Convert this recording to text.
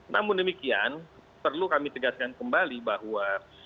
namun demikian perlu kami tegaskan kembali bahwa